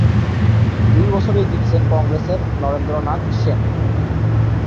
দুই বছরেই জিতেছেন কংগ্রেসের নরেন্দ্র নাথ সেন।